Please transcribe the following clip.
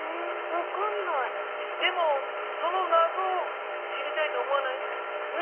でもそのなぞを知りたいと思わない？